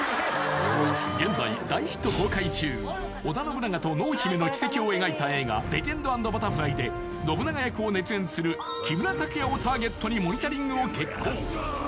現在大ヒット公開中織田信長と濃姫の軌跡を描いた映画「レジェンド＆バタフライ」で信長役を熱演する木村拓哉をターゲットにモニタリングを決行！